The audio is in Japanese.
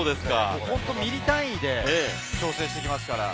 ミリ単位で調整してきますから。